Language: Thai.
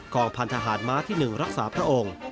พันธหารม้าที่๑รักษาพระองค์